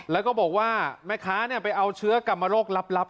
แล้วก็บอกว่าแม่ค้าไปเอาเชื้อกรรมโรคลับ